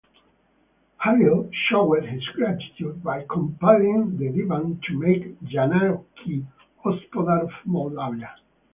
Halil showed his gratitude by compelling the Divan to make Yanaki Hospodar of Moldavia.